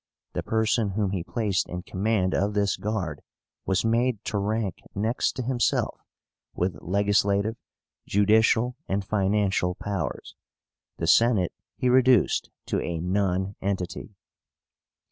The person whom he placed in command of this guard was made to rank next to himself, with legislative, judicial, and financial powers. The Senate he reduced to a nonentity.